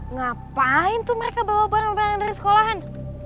ngapain tuh mereka bawa barang barang dari sekolahan